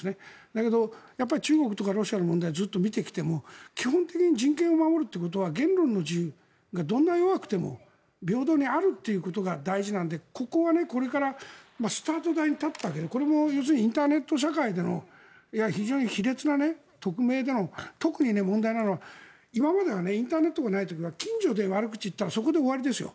だけど、中国とかロシアの問題をずっと見てきても基本的に人権を守るということは言論の自由がどんな弱くても平等にあるということが大事なのでここはこれからスタート台に立ったけれどこれも要するにインターネット社会での非常に卑劣な匿名での特に問題なのは今まではインターネットがない時は近所で悪口を言ったらそこで終わりですよ。